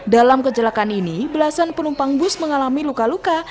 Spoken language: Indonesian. dalam kecelakaan ini belasan penumpang bus mengalami luka luka